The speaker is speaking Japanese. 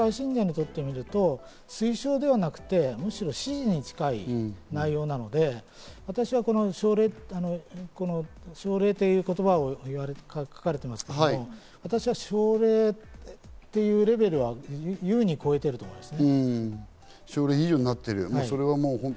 使命と責任と言われてしまうと、統一教会信者にとってみると推奨ではなくて、むしろ指示に近い内容なので、私はこの奨励という言葉を書かれていますが、私は奨励というレベルはゆうに超えていると思います。